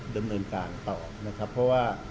ดำเนินการต่อนะครับเพราะว่า